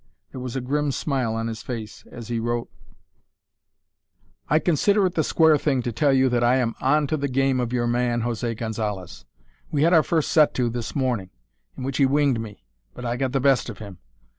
There was a grim smile on his face as he wrote: "I consider it the square thing to tell you that I am onto the game of your man, José Gonzalez. We had our first set to this morning, in which he winged me, but I got the best of him.